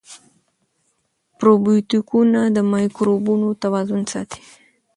پروبیوتیکونه د مایکروبونو توازن ساتي.